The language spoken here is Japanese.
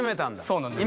そうなんです。